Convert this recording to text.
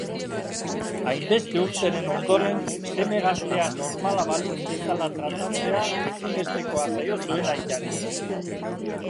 Hainbeste urteren ondoren seme gaztea normala balitz bezala tratatzea ezinbestekoa zaio zuen aitari.